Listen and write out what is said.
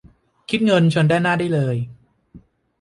คิดเงินเชิญด้านหน้าได้เลย